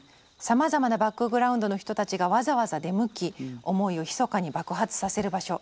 「さまざまなバックグラウンドの人たちがわざわざ出向き思いをひそかに爆発させる場所。